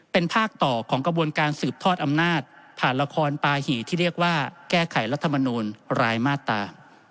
เป็นภาคต่อของกระบวนการสืบทอดอำนาจผ่านละครปาหี่ที่เรียกว่าแก้ไขรัฐมนูลรายมาตรา